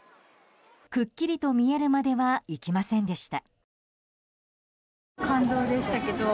くっきりと見えるまではいきませんでした。